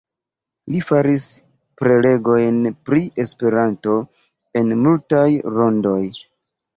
Li faris prelegojn pri Esperanto en multaj rondoj.